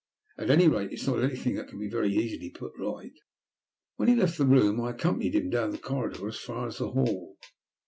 "At any rate it is not anything that cannot be very easily put right." When he left the room I accompanied him down the corridor as far as the hall.